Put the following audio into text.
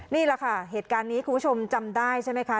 นี่แหละค่ะเหตุการณ์นี้คุณผู้ชมจำได้ใช่ไหมคะ